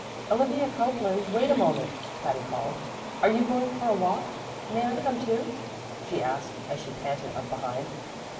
"Olivia Copeland, wait a moment," Patty called. "Are you going for a walk? May I come too?" she asked, as she panted up behind.